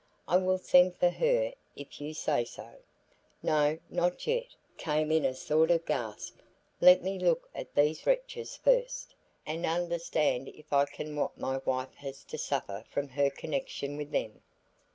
I will send for her if you say so." "No, not yet," came in a sort of gasp; "let me look at these wretches first, and understand if I can what my wife has to suffer from her connection with them."